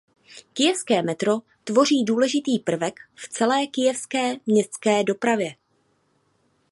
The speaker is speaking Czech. Kyjevské metro tvoří důležitý prvek v celé kyjevské městské dopravě.